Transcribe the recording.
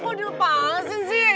kok dirpalsin sih